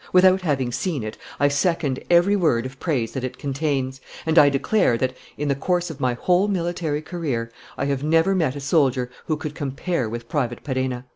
Without having seen it, I second every word of praise that it contains; and I declare that, in the course of my whole military career, I have never met a soldier who could compare with Private Perenna.